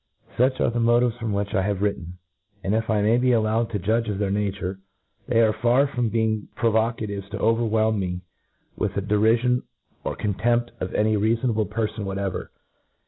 Such are the motives from which I have written ; and, if I may be allowed to judge of their nature,^ they are far from being provoca tives to overwhelm me with the derifion or con tempt^ PREFACE. j ttmpt of any rcafonable perfon whatever.